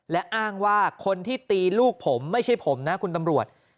และอ้างว่าคนที่ตีลูกผมไม่ใช่ผมนะคุณตำรวจ